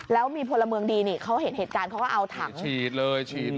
แล้วมีพลเมืองดีเค้าเห็นเหตุการณ์เค้าเอาถังมาฉีดก่อน